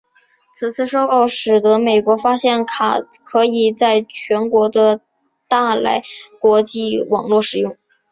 此次收购使得美国发现卡可以在全球的大来国际网络使用。